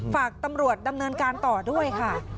ฝากตำรวจดำเนินการต่อด้วยค่ะ